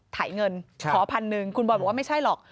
ถ่ายเงินขอพันหนึ่งคุณบอยบอกว่าไม่ใช่หรอก